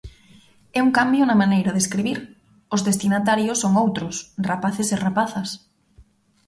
É un cambio na maneira de escribir, os destinatarios son outros, rapaces e rapazas.